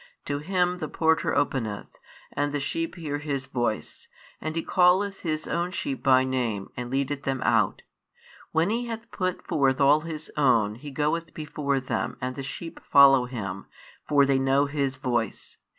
To him the porter openeth; and the sheep hear his voice: and he calleth his own sheep by name, and leadeth them out. When he hath put forth all his own, he goeth before them, and the sheep follow him: for they know his voice.